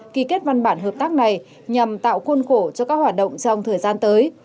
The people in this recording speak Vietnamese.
ký kết văn bản hợp tác này nhằm tạo khuôn khổ cho các hoạt động trong thời gian tới